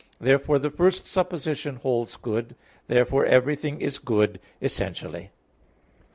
Therefore the first supposition holds good. Therefore everything is good essentially.